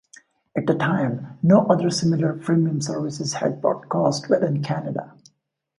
At the time, no other similar premium services had broadcast within Canada.